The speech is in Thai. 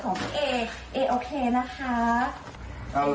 ของพี่เอเอโอเคนะคะ